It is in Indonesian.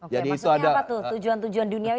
oke maksudnya apa tuh tujuan tujuan duniawi